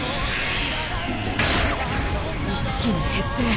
一気に減って。